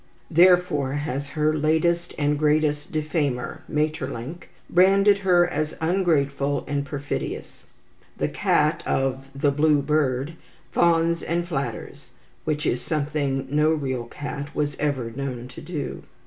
Therefore has her latest and greatest defamer, Maeterlinck, branded her as ungrateful and perfidious. The cat of "The Blue Bird" fawns and flatters, which is something no real cat was ever known to do.